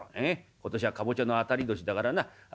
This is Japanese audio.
今年はかぼちゃの当たり年だからなあ